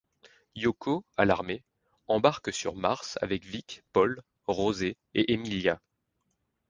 Yoko, alarmée, embarque sur Mars avec Vic, Pol, Rosée et Emilia.